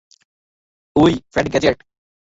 ওই fad gadget?